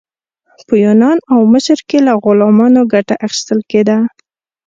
په یونان او مصر کې له غلامانو ګټه اخیستل کیده.